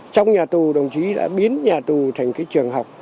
trong nhà tù đồng chí đã biến nhà tù thành trường học